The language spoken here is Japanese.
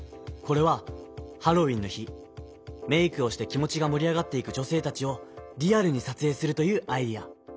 これはハロウィーンの日メイクをして気持ちがもり上がっていく女せいたちをリアルにさつえいするというアイデア。